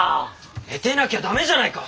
寝てなきゃ駄目じゃないか！